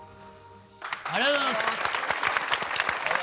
ありがとうございます。